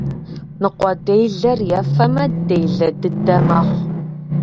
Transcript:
Ныкъуэделэр ефэмэ, делэ дыдэ мэхъу.